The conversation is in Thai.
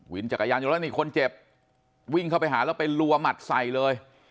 จักรยานยนต์แล้วนี่คนเจ็บวิ่งเข้าไปหาแล้วไปรัวหมัดใส่เลย